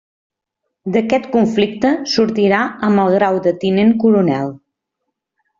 D'aquest conflicte sortirà amb el grau de Tinent Coronel.